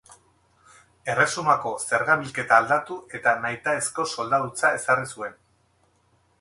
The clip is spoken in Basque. Erresumako zerga-bilketa aldatu eta nahitaezko soldadutza ezarri zuen.